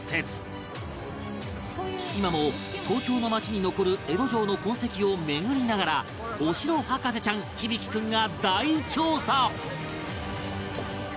今も東京の街に残る江戸城の痕跡を巡りながらお城博士ちゃん響大君が大調査！